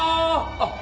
あっ。